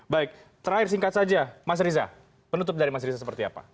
baik terakhir singkat saja mas riza penutup dari mas riza seperti apa